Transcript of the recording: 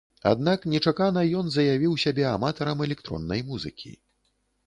Аднак нечакана ён заявіў сябе аматарам электроннай музыкі.